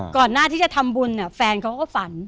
ก่อนหน้าที่จะทำบุญแฟนเขาก็ฝัน